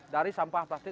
dari sampah plastik